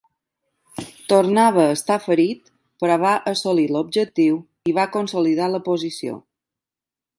Tornava a estar ferit, però va assolir l'objectiu i va consolidar la posició.